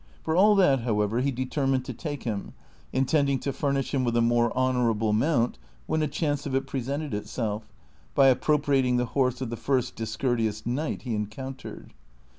For all that, however, he determined to take him, intending to furnish him with a more honorable mount when a chance of it presented itself, by ap])ropriating the horse of the first discourteous knight he encountered.